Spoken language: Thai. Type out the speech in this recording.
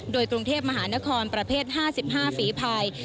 โดยกรุงเทพมหานครประเภท๕๕ฝีภาย